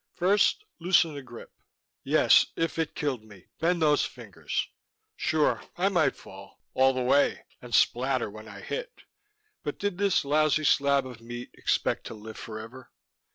First: loosen the grip Yes! If it killed me: bend those fingers! Sure, I might fall all the way and splatter when I hit, but did this lousy slab of meat expect to live forever?